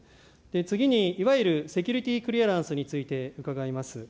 次に、いわゆるセキュリティクリアランスについて伺います。